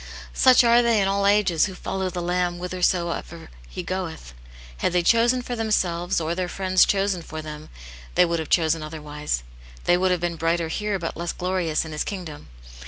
" Such are they in all ages who follow the Lamb whithersoever He goeth. Had they chosen for them selves, or their friends chosen for them, they would have chosen otherwise. They would have been brighter here, but less glorious in His kingdom.